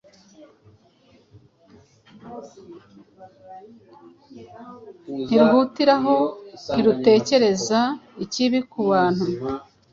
ntiruhutiraho, ntirutekereza ikibi ku bantu.”